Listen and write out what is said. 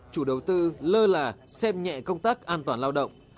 chủ đầu tư lơ là xem nhẹ công tác an toàn lao động